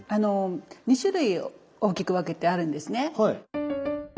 ２種類大きく分けてあるんですね。